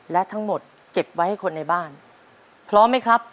และทั้งหมดเก็บไว้ให้คนในบ้านพร้อมไหมครับ